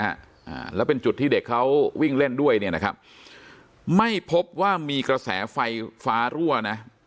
อ่าแล้วเป็นจุดที่เด็กเขาวิ่งเล่นด้วยเนี่ยนะครับไม่พบว่ามีกระแสไฟฟ้ารั่วนะ